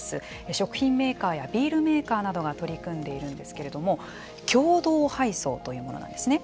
食品メーカーやビールメーカーなどが取り組んでいるんですけれども共同配送というものなんですね。